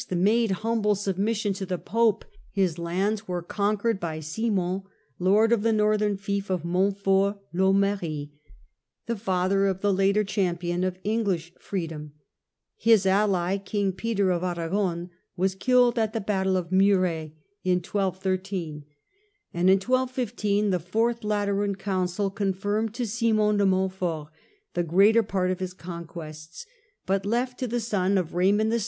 made humble submission to the Pope : his lands were conquered by Simon, lord of the northern fief of Montfort I'Amauri, the father of the later champion of English freedom, his ally Peter King of Aragon was killed at the battle of Muret in 1213, and in 1215 the Fourth Lateran Council confirmed to Simon de Montfort the greater part of his conquests, but left to the son of Raymond VI.